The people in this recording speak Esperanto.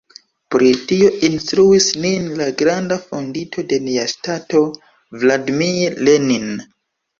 Pri tio instruis nin la granda fondinto de nia ŝtato Vladimir Lenin.